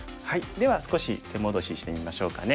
では少し手戻ししてみましょうかね。